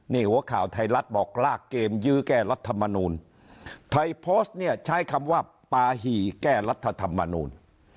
นี่หัวข่าวไทยรัฐบอกลากเกมยื้อแก้รัฐมนูลไทยโพสต์เนี่ยใช้คำว่าปาหี่แก้รัฐธรรมนูล